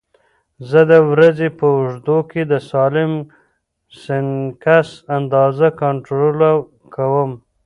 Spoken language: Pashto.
زه د ورځې په اوږدو کې د سالم سنکس اندازه کنټرول کوم.